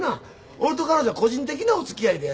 俺と彼女は個人的なおつきあいでやな。